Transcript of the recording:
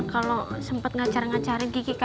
kalau sempat mengajar engajarin kiki